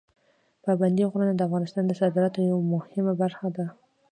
پابندي غرونه د افغانستان د صادراتو یوه مهمه برخه ده.